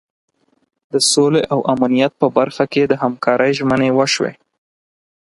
د سولې او امنیت په برخه کې د همکارۍ ژمنې وشوې.